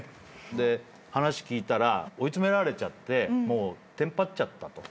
話聞いたら追い詰められちゃってテンパっちゃったと。